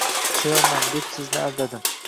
Sevaman, deb sizni aldadim.